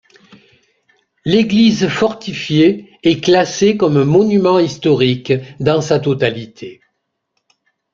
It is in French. L'église fortifiée est classée comme Monument historique dans sa totalité.